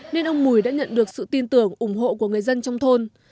nên ông mùi đã nhận được sự tin tưởng ủng hộ của người dân trong thôn